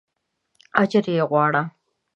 اجر یې غواړه.